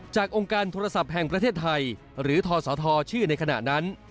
องค์การโทรศัพท์แห่งประเทศไทยหรือทศทชื่อในขณะนั้น